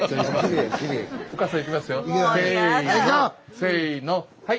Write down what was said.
せのはい。